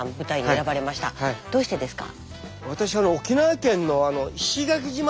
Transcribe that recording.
どうしてですか？